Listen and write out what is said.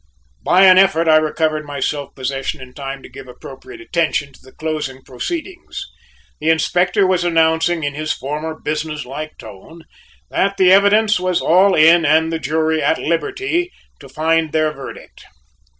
By an effort I recovered my self possession in time to give appropriate attention to the closing proceedings. The Inspector was announcing in his former business like tone, that the evidence was all in and the jury at liberty to find their verdict.